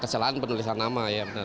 kesalahan penulisan nama ya